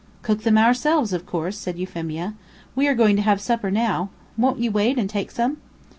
"Cook them ourselves, of course," said Euphemia. "We are going to have supper now. Won't you wait and take some?"